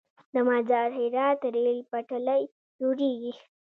د مزار - هرات ریل پټلۍ جوړیږي؟